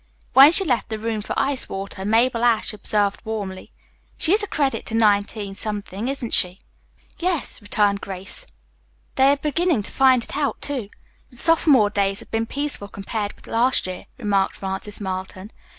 When she left the room for ice water, Mabel Ashe observed warmly, "She is a credit to 19 , isn't she?" "Yes," returned Grace. "They are beginning to find it out, too." "Your sophomore days have been peaceful, compared with last year," remarked Frances Marlton.